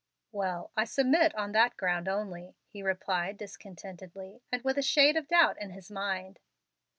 "Well, I submit on that ground only," he replied discontentedly, and with a shade of doubt in his mind.